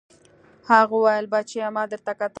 هغه وويل بچيه ما درته کتل.